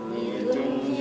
bangun mas ruli